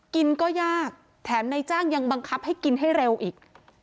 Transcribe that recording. กินก็ยากแถมในจ้างยังบังคับให้กินให้เร็วอีก